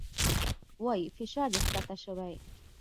وايي فشار دې کښته شوى.